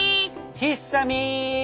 ひっさみん。